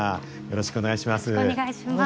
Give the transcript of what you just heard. よろしくお願いします。